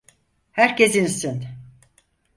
Herkes insin!